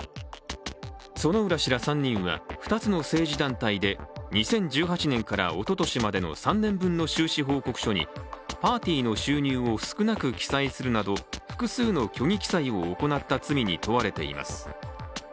薗浦氏ら３人は、２つの政治団体で２０１８年からおととしまでの３年分の収支報告書にパーティーの収入を少なく記載するなど複数の虚偽記載を行った罪に問われています。